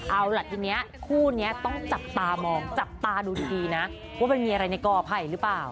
เอาล่ะทีนี้คู่นี้ต้องจับตามองจับตาดูทีนะว่ามันมีอะไรในกอไผ่หรือเปล่า